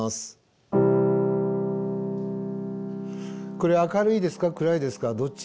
これは明るいですか暗いですかどっち？